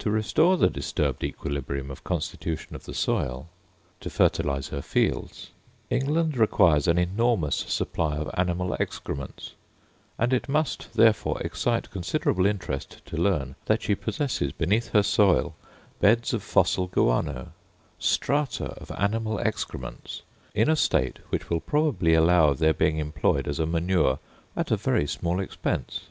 To restore the disturbed equilibrium of constitution of the soil, to fertilise her fields, England requires an enormous supply of animal excrements, and it must, therefore, excite considerable interest to learn, that she possesses beneath her soil beds of fossil guano, strata of animal excrements, in a state which will probably allow of their being employed as a manure at a very small expense.